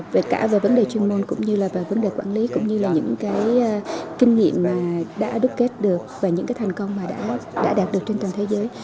về cả vấn đề chuyên môn cũng như là vấn đề quản lý cũng như là những kinh nghiệm đã đúc kết được và những thành công đã đạt được trên toàn thế giới